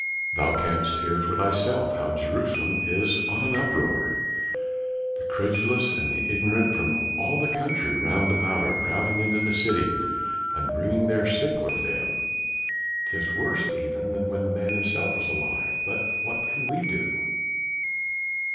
"Thou canst hear for thyself how Jerusalem is on an uproar; the credulous and ignorant from all the country round about are crowding into the city bringing their sick with them." "'Tis worse even than when the man himself was alive; but what can we do?"